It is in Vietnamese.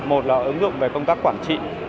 một là ứng dụng về công tác quản trị